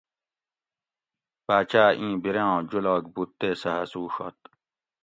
باچاۤ اِیں بِریاں جولاگ بُوت تے سہ ہسوڛت